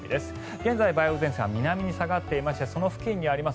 現在、梅雨前線は南に下がっていましてその付近にあります